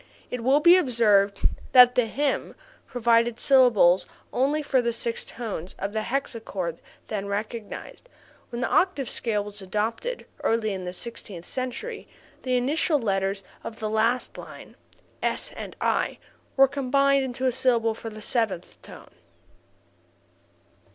It will be observed that this hymn provided syllables only for the six tones of the hexachord then recognized; when the octave scale was adopted (early in the sixteenth century) the initial letters of the last line (s and i) were combined into a syllable for the seventh tone.